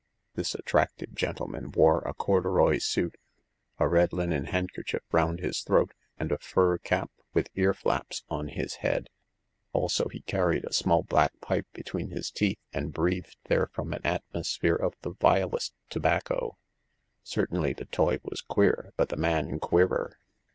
This attractive gentleman wore a corduroy suit, a red linen handkerchief round his throat, and a fur cap with earflaps on his head. Also he carried a small black pipe between his teeth, and breathed therefrom an atmosphere of the vilest tobacco. Certainly the toy was queer ; but the man queerer.